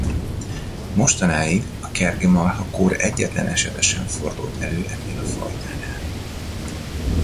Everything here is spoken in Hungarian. Mostanáig a kergemarha-kór egyetlen esete sem fordult elő ennél a fajtánál.